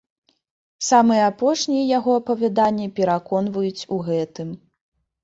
Самыя апошнія яго апавяданні пераконваюць у гэтым.